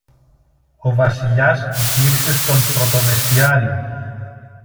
Ο Βασιλιάς γύρισε στον πρωτοβεστιάριο.